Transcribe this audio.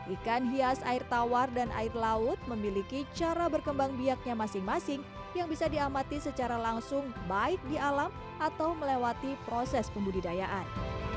ikan hias air tawar dan air laut memiliki cara berkembang biaknya masing masing yang bisa diamati secara langsung baik di alam atau melewati proses pembudidayaan